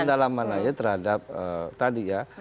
pendalaman aja terhadap tadi ya